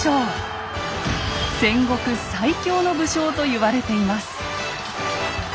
戦国最強の武将と言われています。